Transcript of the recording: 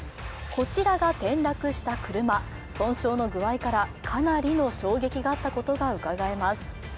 こちらが転落した車、損傷の具合からかなりの衝撃があったことがうかがえます。